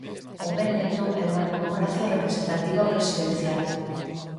O Véneto é unha democracia representativa presidencial.